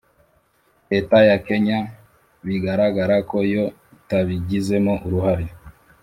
leta ya kenya bigaragara ko yo itabigizemo uruhare